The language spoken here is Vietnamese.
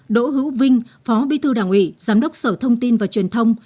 đỗ hữu vinh phó bí thư đảng ủy giám đốc sở thông tin và truyền thông